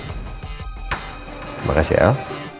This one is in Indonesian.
terima kasih al